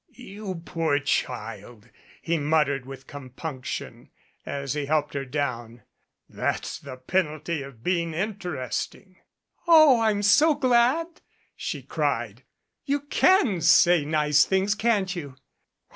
"You poor child," he muttered with compunction, as he helped her down, "that's the penalty of being interest ing." "Oh, I'm so glad," she cried, "you can say nice things, can't you?"